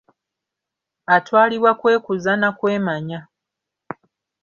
Atwalibwa kwekuza na kwemanya.